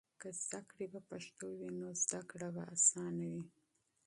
که علم په پښتو وي، نو زده کړه به اسانه وي.